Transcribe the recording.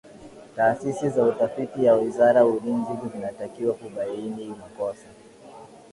taasisi za utafiti wa wizara ya ulinzi zinatakiwa kubaini makosa